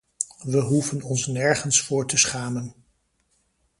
We hoeven ons nergens voor te schamen.